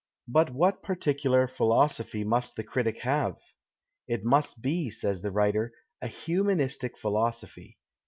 But what particular philosophy must the critic have ? It must be, says the writer, " a humanistic philosophy.